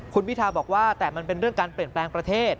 คุณพิทาบอกว่าแต่มันเป็นเรื่องการเปลี่ยนแปลงประเทศ